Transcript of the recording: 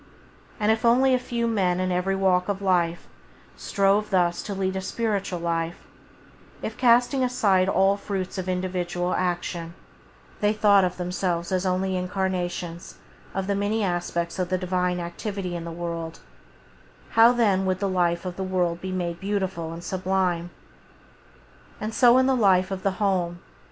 And if only a few men in every walk of life strove thus to lead the spiritual life; if, casting aside all fruits of individual action, they thought of themselves as only incarnations of the many aspects of the Divine activity in the world, how then would the life of the world be made beautiful and sublime! And so in the life of the home.